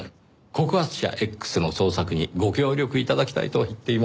告発者Ｘの捜索にご協力頂きたいと言っています。